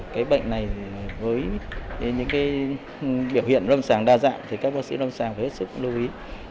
cái bệnh này với những cái biểu hiện lâm sàng đa dạng thì các bác sĩ lâm sàng phải hết sức lưu ý